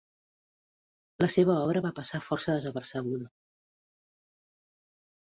La seva obra va passar força desapercebuda.